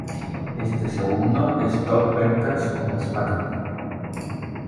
Este segundo es top ventas en España.